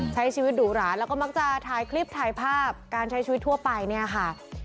ใช้ชีวิตดุหราแล้วก็มักจะถ่ายคลิปถ่ายภาพการใช้ชีวิตทั่วไปเนี่ยค่ะ